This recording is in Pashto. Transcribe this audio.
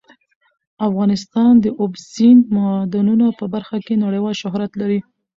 افغانستان د اوبزین معدنونه په برخه کې نړیوال شهرت لري.